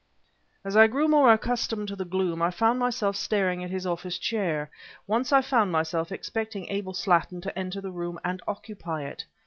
As I grew more accustomed to the gloom, I found myself staring at his office chair; once I found myself expecting Abel Slattin to enter the room and occupy it.